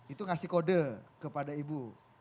itu ngasih kode kepada ibu